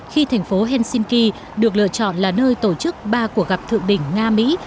khi thành phố helsinki được lựa chọn là nơi tổ chức ba cuộc gặp thượng đỉnh nga mỹ